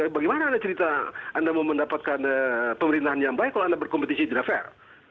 bagaimana anda cerita anda mau mendapatkan pemerintahan yang baik kalau anda berkompetisi tidak fair